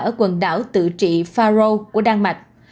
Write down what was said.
ở quần đảo tự trị faro của đan mạch